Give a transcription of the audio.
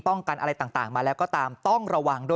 ป้องกันอะไรต่างมาแล้วก็ตามต้องระวัง